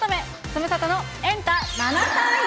ズムサタのエンタ７３４。